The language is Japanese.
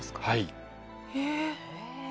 はい。